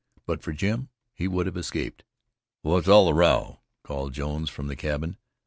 But for Jim, he would have escaped. "What's all the row?" called Jones from the cabin.